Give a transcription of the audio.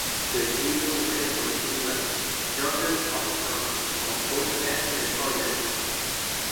The trio went on to write dozens of songs for both Leff and others.